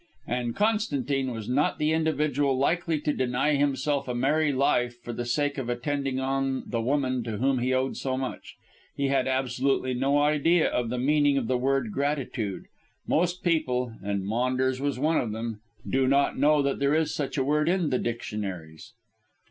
And Constantine was not the individual likely to deny himself a merry life for the sake of attending on the woman to whom he owed so much. He had absolutely no idea of the meaning of the word "gratitude." Most people and Maunders was one of them do not know that there is such a word in the dictionaries.